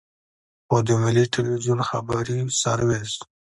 خو د ملي ټلویزیون خبري سرویس.